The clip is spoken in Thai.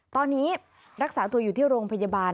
ตอนนี้รักษาตัวอยู่ที่โรงพยาบาล